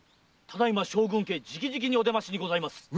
ただ今将軍家直々にお出ましにございます。